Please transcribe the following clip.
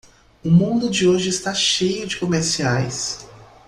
O mundo de hoje está cheio de comerciais.